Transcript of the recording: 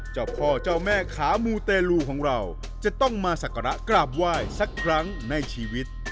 เจ้าพ่อเจ้าแม่ขามูเตลูของเราจะต้องมาสักการะกราบไหว้สักครั้งในชีวิต